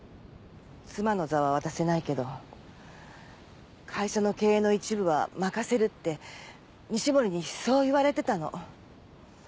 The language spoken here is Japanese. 妻の座は渡せないけど会社の経営の一部は任せるって西森にそう言われてたの。